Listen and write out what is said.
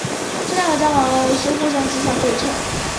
这两个伽玛射线泡外观是互相镜像对称。